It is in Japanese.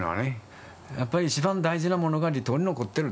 やっぱり一番大事なものが離島に残ってると。